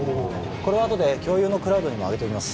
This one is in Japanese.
これはあとで共有のクラウドにもあげときます